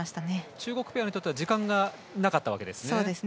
中国ペアにとっては時間がなかったわけですね。